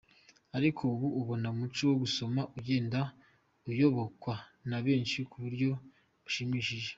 Ariko ubu ubona umuco wo gusoma ugenda uyobokwa na benshi ku buryo bushimishije.